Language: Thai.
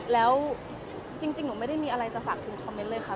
แล้วจริงหนูไม่ได้มีอะไรจะฝากถึงคอมเมนต์เลยค่ะ